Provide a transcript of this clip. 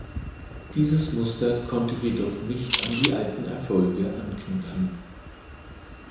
Dieses Muster konnte jedoch nicht an die alten Erfolge anknüpfen.